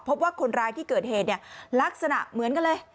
พบว่าคนร้ายที่เกิดเหตุเนี่ยลักษณะเหมือนกันเลย